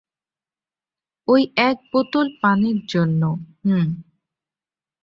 ওই এক বোতল পানির জন্য হুম।